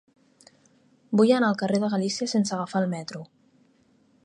Vull anar al carrer de Galícia sense agafar el metro.